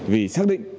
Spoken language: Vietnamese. vì xác định